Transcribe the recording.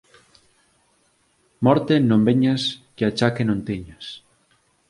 Morte non veñas que achaque non teñas